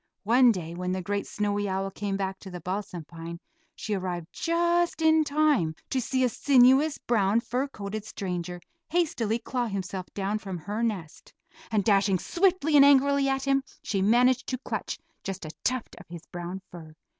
One day when the great snowy owl came back to the balsam pine she arrived just in time to see a sinuous, brown, fur coated stranger hastily claw himself down from her nest, and dashing swiftly and angrily at him, she managed to clutch just a tuft of his brown fur.